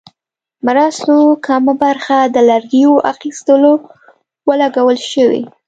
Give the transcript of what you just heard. مرستو کمه برخه د لرګیو اخیستلو ولګول شوې.